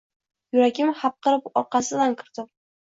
Yuragim hapqirib orqasidan kirdim.